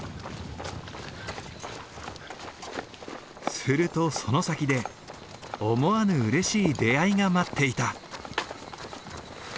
するとその先で思わぬうれしい出会いが待っていた。